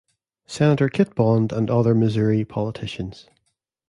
Senator Kit Bond and other Missouri politicians.